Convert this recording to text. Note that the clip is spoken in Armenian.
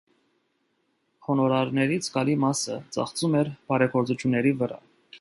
Հոնորարների զգալի մասը ծախսում էր բարեգործությունների վրա։